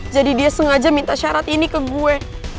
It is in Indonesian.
jadi dia sengaja minta syarat ini ke gue